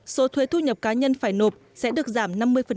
số thuế thu nhập cá nhân phải nộp sẽ được giảm năm mươi